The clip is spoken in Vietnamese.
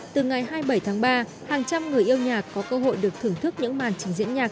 từ ngày hai mươi bảy tháng ba hàng trăm người yêu nhạc có cơ hội được thưởng thức những màn trình diễn nhạc